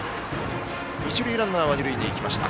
一塁ランナーは二塁に行きました。